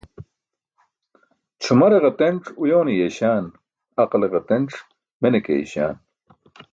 Ćʰumare ģatenc uyoone yeeśaan, aqle ģatenc mene ke eeyśaan.